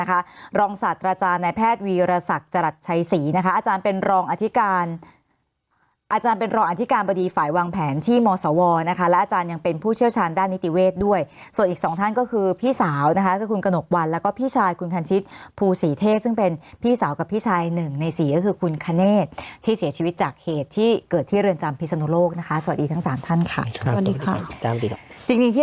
อาจารย์เป็นรออันทิการบดีฝ่ายวางแผนที่มสวนะคะและอาจารย์ยังเป็นผู้เชี่ยวชาญด้านนิติเวศด้วยส่วนอีกสองท่านก็คือพี่สาวนะคะคือคุณกนกวันแล้วก็พี่ชายคุณคันชิตภูษีเทศซึ่งเป็นพี่สาวกับพี่ชายหนึ่งในสี่ก็คือคุณคเนธที่เสียชีวิตจากเหตุที่เกิดที่เรือนจำพิสันโลกนะคะสวัสดี